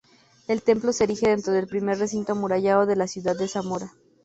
El templo se erige dentro del primer recinto amurallado de la ciudad de Zamora.